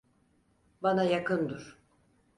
Bana yakın dur.